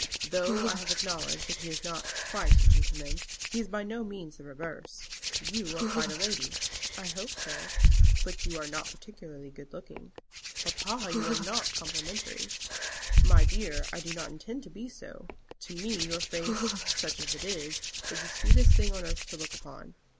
Though I have acknowledged that he is not quite a gentleman, he is by no means the reverse. You are quite a lady." "I hope so." "But you are not particularly good looking." "Papa, you are not complimentary." "My dear, I do not intend to be so. To me your face, such as it is, is the sweetest thing on earth to look upon."